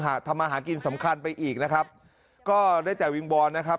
ทำมาหากินสำคัญไปอีกนะครับก็ได้แต่วิงวอนนะครับ